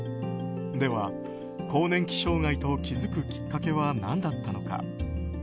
では、更年期障害と気づくきっかけは何だったのか。